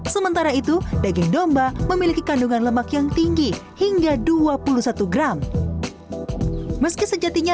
sementara itu daging domba memiliki kandungan lemak yang tinggi hingga dua puluh satu gram meski sejatinya